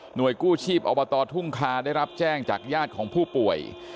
โดยกู้ชีพอบตทุ่งคาได้รับแจ้งจากญาติของผู้ป่วย